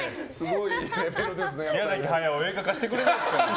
宮崎駿映画化してくれないですかね。